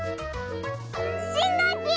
しんごうき！